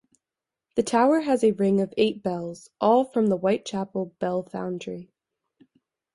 The tower has a ring of eight bells, all from the Whitechapel Bell Foundry.